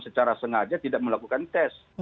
secara sengaja tidak melakukan tes